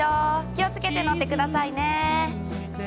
気を付けて乗ってくださいね。